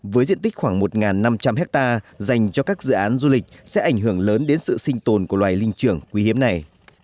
với diện tích khoảng một năm trăm linh hectare dành cho các dự án du lịch sẽ ảnh hưởng lớn đến sự sinh tồn của loài linh trưởng quý hiếm này